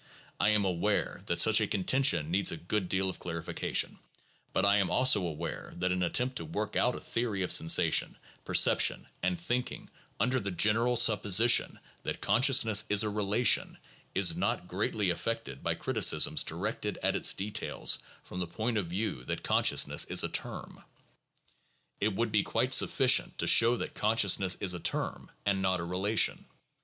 I am aware that such a contention needs a good deal of clarification, but I am also aware that an attempt to work out a theory of sensation, per ception, and thinking under the general supposition that con sciousness is a relation, is not greatly affected by criticisms directed at its details from the point of view that consciousness is a term. It would be quite sufficient to show that consciousness is a term and not a relation.